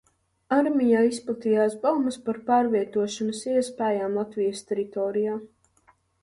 Armijā izplatījās baumas par pārvietošanas iespējām Latvijas teritorijā.